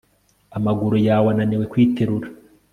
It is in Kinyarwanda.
amaguru yawe ananirwe kwiterura